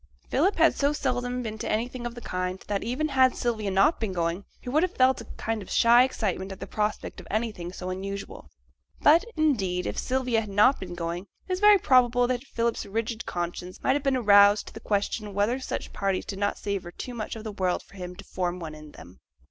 Philip had so seldom been to anything of the kind, that, even had Sylvia not been going, he would have felt a kind of shy excitement at the prospect of anything so unusual. But, indeed, if Sylvia had not been going, it is very probable that Philip's rigid conscience might have been aroused to the question whether such parties did not savour too much of the world for him to form one in them.